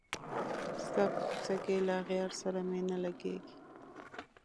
ستا په کوڅه کي له اغیار سره مي نه لګیږي